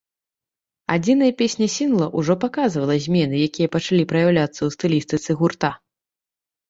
Адзіная песня сінгла ўжо паказвала змены, якія пачалі праяўляцца ў стылістыцы гурта.